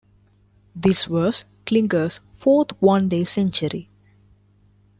This was Klinger's fourth one-day century.